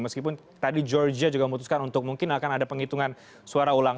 meskipun tadi georgia juga memutuskan untuk mungkin akan ada penghitungan suara ulang